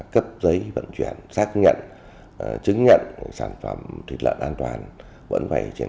cấp giấy vận chuyển